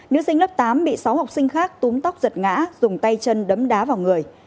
nữ sinh lớp tám bị sáu học sinh khác túm tóc giật ngã dùng tay chân đấm đá vào người